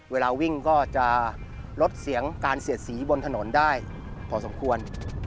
เวลาวิ่งก็จะลดเสียงการเสียดสีบนถนนได้พอสมควร